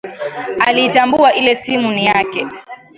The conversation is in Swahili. Aliitambua ile simu ni yake